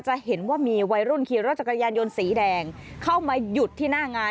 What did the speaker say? จะเห็นว่ามีวัยรุ่นขี่รถจักรยานยนต์สีแดงเข้ามาหยุดที่หน้างาน